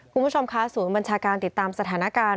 คุณผู้ชมคะศูนย์บัญชาการติดตามสถานการณ์